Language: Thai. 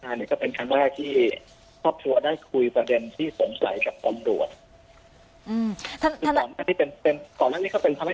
เอ่อเอางี้ก่อนคือวันนี้ตอนที่ลงไปพื้นที่ได้กลับไปดูจุดที่พบน้องต้าแง่มั้ยคะ